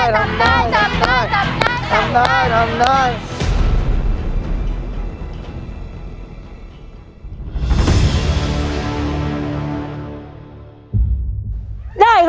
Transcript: เร็วเร็ว